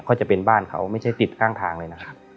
ก็จะเป็นบ้านเขาไม่ใช่ติดข้างทางเลยนะครับ